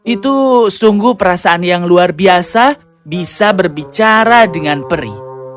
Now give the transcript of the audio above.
itu sungguh perasaan yang luar biasa bisa berbicara dengan peri